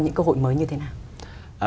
những cơ hội mới như thế nào